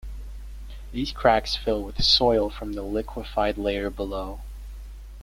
These cracks fill with soil from the liquefied layer below.